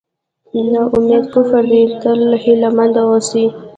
نا اميدي کفر دی تل هیله مند اوسئ.